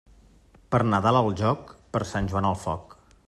Per Nadal al joc, per Sant Joan al foc.